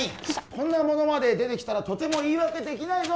こんなものまで出てきたらとても言い訳できないぞ